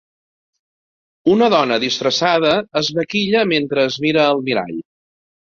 Una dona disfressada es maquilla mentre es mira al mirall.